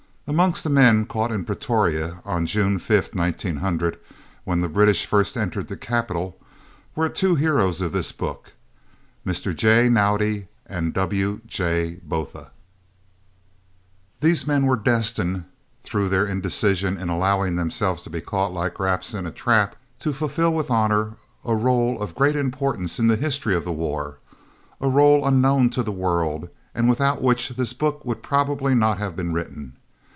Amongst the men caught in Pretoria on June 5th, 1900, when the British first entered the capital, were two heroes of this book, Mr. J. Naudé and W.J. Botha. These men were destined, through their indecision in allowing themselves to be caught like rats in a trap, to fulfil with honour a rôle of great importance in the history of the war a rôle unknown to the world, and without which this book would probably not have been written.